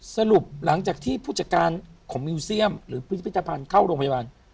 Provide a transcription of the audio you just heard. สรุปหลังจากที่ผู้จัดการของมิวเซียมหรือพิพิธภัณฑ์เข้าโรงพยาบาล